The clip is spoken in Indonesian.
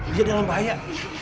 dia dalam bahaya